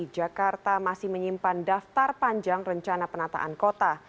jakarta masih menyimpan daftar panjang rencana penataan kota